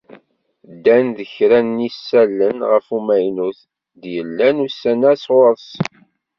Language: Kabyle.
Ddan-d kra n yisallen ɣef umaynut i d-yellan ussan-a sɣur-s.